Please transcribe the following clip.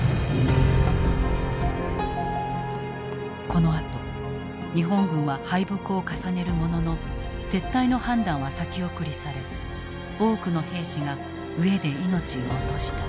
このあと日本軍は敗北を重ねるものの撤退の判断は先送りされ多くの兵士が飢えで命を落とした。